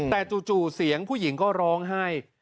แต่จู่เสียงผู้หญิงก็ร้องไห้